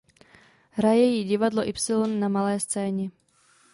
Hraje ji Divadlo Ypsilon na malé scéně.